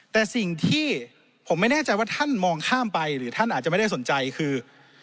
แต่สิ่งที่ผมไม่แน่ใจว่าท่านมองข้ามไปหรือท่านอาจจะไม่ได้สนใจคือ